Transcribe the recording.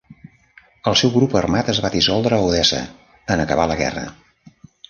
El seu grup armat es va dissoldre a Odessa, en acabar la guerra.